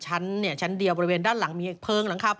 ซึ่งตอน๕โมง๔๕นะฮะทางหน่วยซิวได้มีการยุติการค้นหาที่